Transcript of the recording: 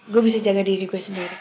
gue bisa jaga diri gue sendiri